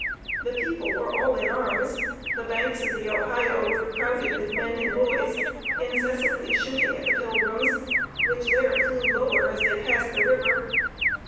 The people were all in arms. The banks of the Ohio were crowded with men and boys, incessantly shooting at the pilgrims, which there flew lower as they passed the river.